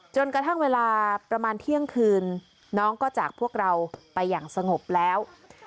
จนกระทั่งเวลาประมาณเที่ยงคืนน้องก็จากพวกเราไปอย่างสงบแล้ว